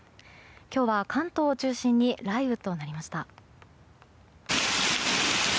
今日は関東を中心に雷雨となりました。